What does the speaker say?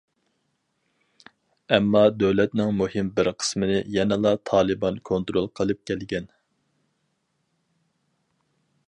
ئەمما دۆلەتنىڭ مۇھىم بىر قىسمىنى يەنىلا تالىبان كونترول قىلىپ كەلگەن.